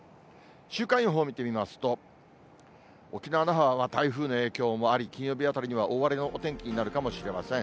週間予報見てみますと、沖縄・那覇は台風の影響もあり、金曜日あたりには大荒れのお天気になるかもしれません。